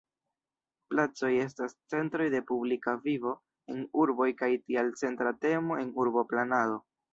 Placoj estas centroj de publika vivo en urboj kaj tial centra temo en urboplanado.